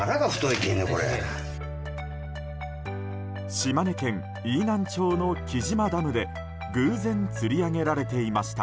島根県飯南町の来島ダムで偶然、釣り上げられていました。